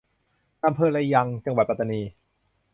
อำเภอยะรัง จังหวัดปัตตานี